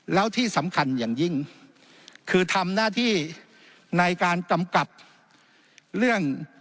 แล้วที่สำคัญอย่างยิ่งคือทำหน้าที่ในการกำกับเรื่อง